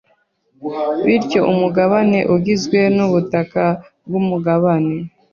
bityo umugabane ugizwe nubutaka bwumugabane